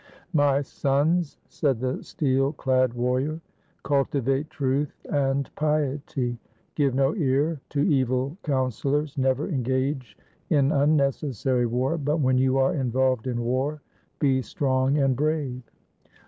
"My sons," said the steel clad warrior, "cultivate truth and piety; give no ear to evil counselors, never engage in unnecessary war, but when you are involved in war, be strong and brave.